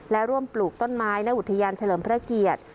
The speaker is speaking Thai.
และร่วมปลูกต้นไม้ในอุทยานเฉลิมพระเกียรติ